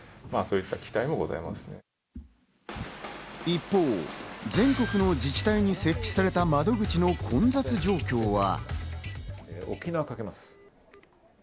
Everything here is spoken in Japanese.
一方、全国の自治体に設置された窓口の混雑状況は。